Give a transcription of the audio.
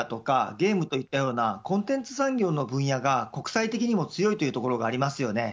ゲームといったようなコンテンツ産業の分野が国際的にも強いということがあります。